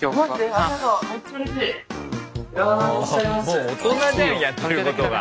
もう大人じゃんやってることが。